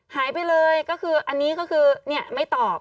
หายไปเลยก็คืออันนี้ก็คือไม่ตอบ